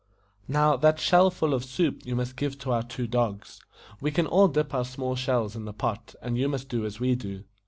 Now, that shell full of soup you must give to our two dogs. We can all dip our small shells in the pot, and you must do as we do."